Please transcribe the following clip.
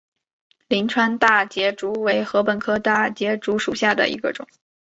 灵川大节竹为禾本科大节竹属下的一个种。